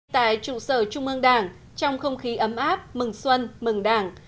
tại trụ sở trung ương đảng trong không khí ấm áp mừng xuân mừng đảng